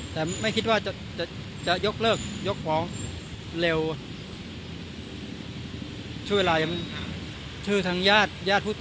แต่ไม่คิดว่าจะยกเลิกยกของเร็ว